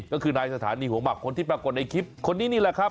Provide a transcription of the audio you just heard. ก็คือนายสถานีหัวหมักคนที่ปรากฏในคลิปคนนี้นี่แหละครับ